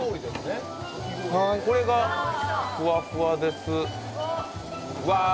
これがふわふわです。